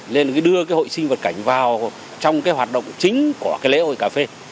nên đưa hội sinh vật cảnh vào trong hoạt động chính của lễ hội cà phê